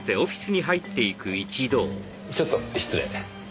ちょっと失礼。